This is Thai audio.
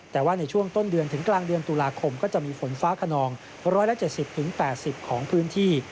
แต่ว่าในช่วงต้นเดือนถึงกลางเดือนตุลาคมก็จะมีฝนฟ้าขนอง๑๗๐๘๐ของพื้นที่